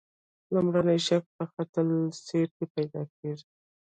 لومړنی شک په خط السیر کې پیدا کیږي.